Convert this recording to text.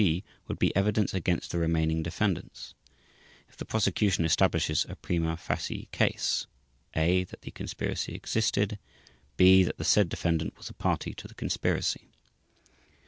G. would be evidence against the remaining defendants, if the Prosecution establishes a prima facie case: a) that the conspiracy existed; b) that the said defendant was a party to the conspiracy.